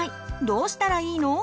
どうしたらいいの？